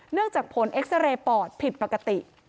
เนื่องจากผลเอ็กซ์เรย์ปอดผิดปกติ